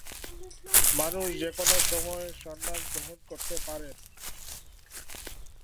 মানুষ যে কোনো সময়ে সন্ন্যাস গ্রহণ করতে পারেন।